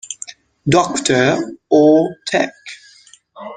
Doctor" or "Tek.